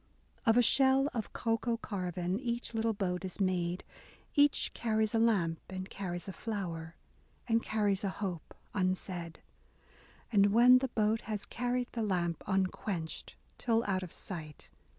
Of a shell of cocoa carven, Each little boat is made ; Each carries a lamp, and carries a flower, And carries a hope unsaid. And when the boat has carried the lamp Unquenched, till out of sight.